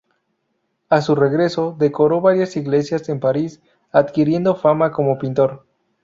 A su regreso decoró varias iglesias en París, adquiriendo fama como pintor.